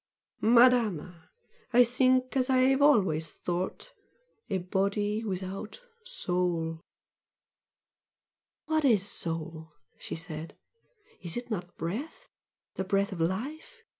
"Madama, I think as I have always thought! a body without soul!" "What IS soul?" she said "Is it not breath? the breath of life?